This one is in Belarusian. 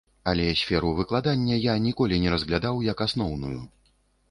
Але сферу выкладання я ніколі не разглядаў як асноўную.